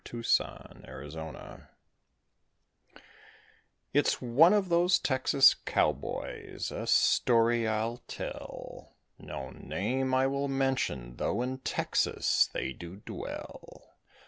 THE LONE BUFFALO HUNTER It's of those Texas cowboys, a story I'll tell; No name I will mention though in Texas they do dwell.